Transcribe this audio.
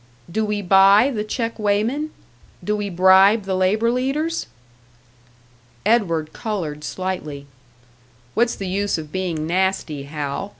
"Do we buy the check weighmen? Do we bribe the labour leaders?" Edward coloured slightly. "What's the use of being nasty, Hal?